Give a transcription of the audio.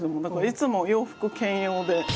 だからいつも洋服兼用で。